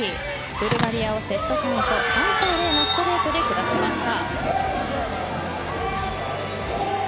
ブルガリアをセットカウント３対０のストレートで下しました。